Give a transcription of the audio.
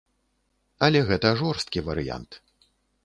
Але гэта жорсткі варыянт.